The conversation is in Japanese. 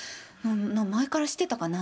前から知ってたかな？